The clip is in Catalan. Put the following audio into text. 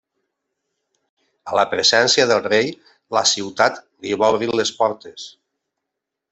A la presència del rei la ciutat li va obrir les portes.